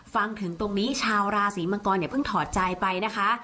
ฟังถึงตรงนี้ชาวราศีมังกรอย่าเพิ่งถอดใจไปนะคะ